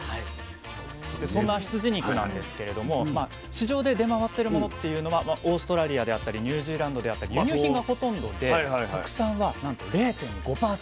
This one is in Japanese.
そんな羊肉なんですけれども市場で出回ってるものっていうのはオーストラリアであったりニュージーランドであったり輸入品がほとんどで国産はなんと０．５％。